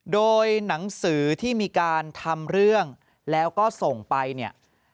โดยหนังสือที่มีการทำเรื่องแล้วก็ส่งไปเนี่ย